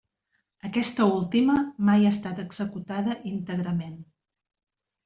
Aquesta última mai ha estat executada íntegrament.